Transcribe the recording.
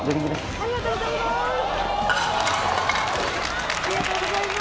ありがとうございます！